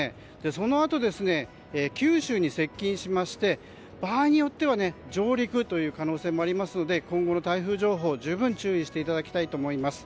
そのあと、九州に接近しまして場合によっては上陸という可能性もありますので今後の台風情報十分注意していただきたいと思います。